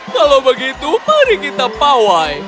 kalau begitu mari kita pawai